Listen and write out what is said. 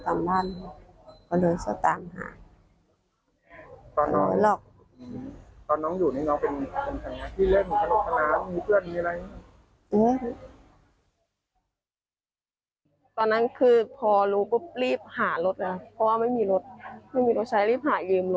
ตอนนี้อยู่ที่ลูกของในรองเมืองชีวิตอยู่หน่อยหรือไม่